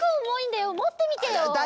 もってみてよ！